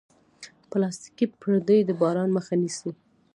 پلاستيکي پردې د باران مخه نیسي.